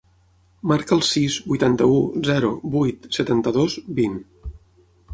Marca el sis, vuitanta-u, zero, vuit, setanta-dos, vint.